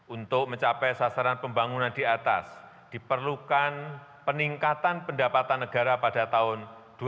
untuk mencapai sasaran pembangunan di atas diperlukan peningkatan pendapatan negara pada tahun dua ribu dua puluh